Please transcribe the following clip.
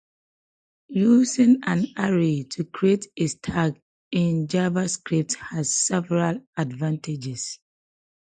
Using an array to create a stack in JavaScript has several advantages.